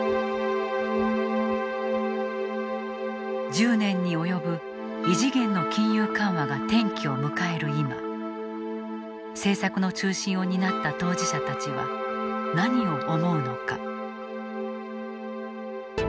１０年に及ぶ異次元の金融緩和が転機を迎える今政策の中心を担った当事者たちは何を思うのか。